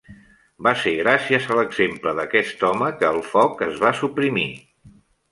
Va ser gràcies a l'exemple d'aquest home que el foc es va suprimir.